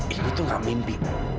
eh itu gak mimpi